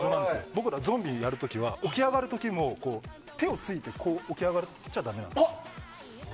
僕らゾンビをやる時は起き上がる時も手をついて起き上がっちゃダメなんです。